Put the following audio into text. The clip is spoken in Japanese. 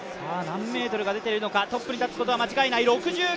何メートル出ているのかトップに立つことは間違いない。